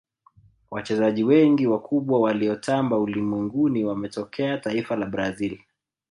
wachezaji wengi wakubwa waliotamba ulimwenguni wametokea taifa la brazil